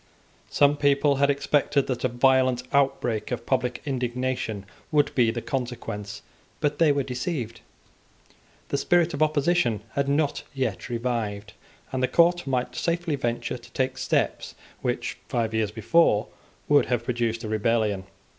Some people had expected that a violent outbreak of public indignation would be the consequence; but they were deceived. The spirit of opposition had not yet revived; and the court might safely venture to take steps which, five years before, would have produced a rebellion.